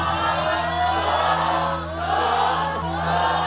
ถ้าตอบถูกเป็นคนแรกขึ้นมาเลย